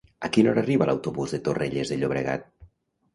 A quina hora arriba l'autobús de Torrelles de Llobregat?